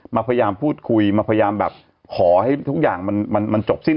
พยายามพูดคุยมาพยายามแบบขอให้ทุกอย่างมันจบสิ้น